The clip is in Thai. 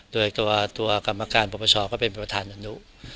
โดยกรรมการประประชอก็เป็นมีผู้อุธานอนุ